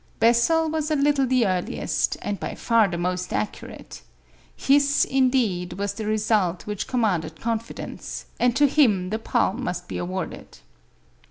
Bessel was a little the earliest, and by far the most accurate. His, indeed, was the result which commanded confidence, and to him the palm must be awarded.